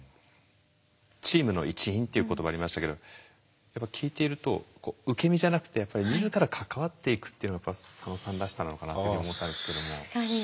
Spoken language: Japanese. チームの一員っていう言葉ありましたけど聞いていると受け身じゃなくて自ら関わっていくっていうのが佐野さんらしさなのかなっていうふうに思ったんですけども。